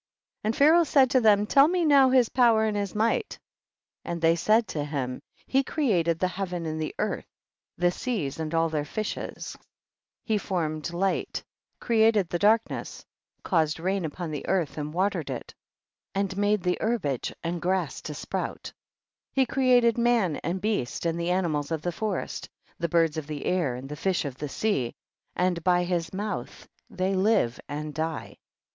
49. And Pharaoh said to them, tell me now his power and his might ; and they said to him, he created the * See the same, Isaiah, ch. 19, v. 11. heaven and the earth, the seas and all their fishes, he formed the light, created the darkness, caused rain upon the earth and watered it, and made the herbage and grass to sprout, he created man and beast and the animals of the forest, the birds of the air and the fish of the sea, and by his mouth they live and die.